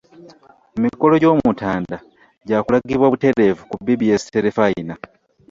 Emikolo gy'omutanda gyakulagibwa buteerevu ku BBS terefayina.